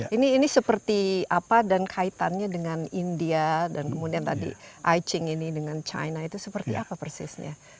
ini seperti apa dan kaitannya dengan india dan kemudian tadi ai ching ini dengan china itu seperti apa persisnya